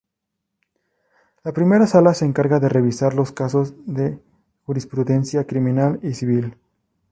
La primera sala se encarga de revisar los casos de jurisprudencia criminal y civil.